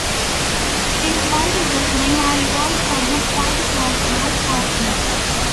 These viruses may have evolved from a phytoplasma plasmid.